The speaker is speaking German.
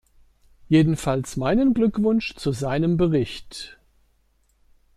Jedenfalls meinen Glückwunsch zu seinem Bericht.